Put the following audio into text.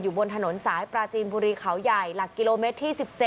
บนถนนสายปราจีนบุรีเขาใหญ่หลักกิโลเมตรที่๑๗